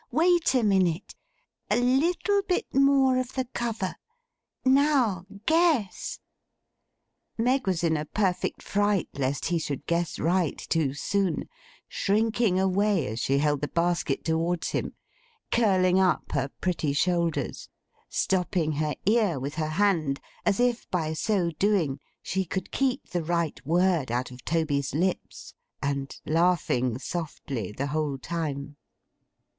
Wait a minute! A little bit more of the cover. Now guess!' Meg was in a perfect fright lest he should guess right too soon; shrinking away, as she held the basket towards him; curling up her pretty shoulders; stopping her ear with her hand, as if by so doing she could keep the right word out of Toby's lips; and laughing softly the whole time.